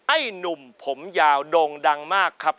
ไอ้หนุ่มผมยาวโด่งดังมากครับ